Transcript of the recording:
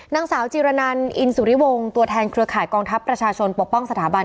นางสาวจิรนันอินสุริวงศ์ตัวแทนเครือข่ายกองทัพประชาชนปกป้องสถาบัน